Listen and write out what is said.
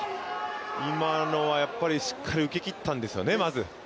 今のはやっぱりしっかり受けきったんですよね。